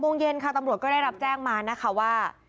โมงเย็นค่ะตำรวจก็ได้รับแจ้งมานะคะว่า